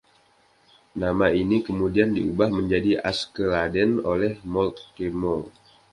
Nama ini kemudian diubah menjadi "Askeladden" oleh Moltke Moe.